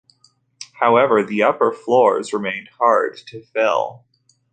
However, the upper floors remained hard to fill.